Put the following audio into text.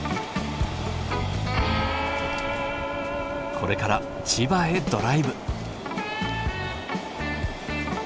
これから千葉へドライブ。